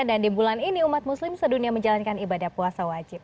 dan di bulan ini umat muslim sedunia menjalankan ibadah puasa wajib